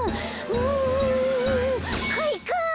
うんかいか！